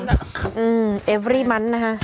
ทุกมันนะคะ